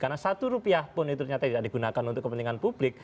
karena satu rupiah pun itu ternyata tidak digunakan untuk kepentingan publik